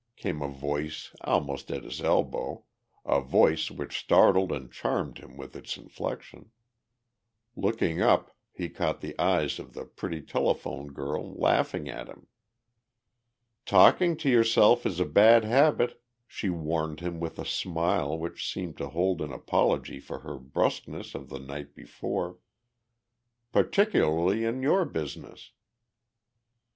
came a voice almost at his elbow, a voice which startled and charmed him with its inflection. Looking up, he caught the eyes of the pretty telephone girl, laughing at him. "Talking to yourself is a bad habit," she warned him with a smile which seemed to hold an apology for her brusqueness of the night before, "particularly in your business."